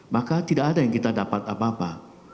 maka tidak ada yang kita dapat apa apa